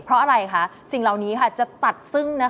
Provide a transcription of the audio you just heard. เพราะอะไรคะสิ่งเหล่านี้จะตัดซึ่ง